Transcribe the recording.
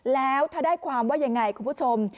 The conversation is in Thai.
แล้วถ้าได้ความว่ายังไงคุณผู้ชม